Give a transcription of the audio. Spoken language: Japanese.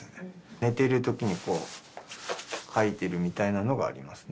寝ているときにかいてるみたいなのがありますね。